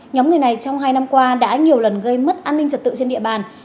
nhóm người này trong hai năm qua đã nhiều lần gây mất an ninh trật tự trên địa bàn